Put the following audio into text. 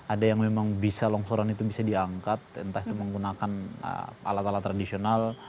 ada yang memang bisa longsoran itu bisa diangkat entah itu menggunakan alat alat tradisional